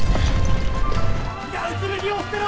火がうつる荷を捨てろ！